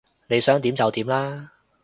你想點就點啦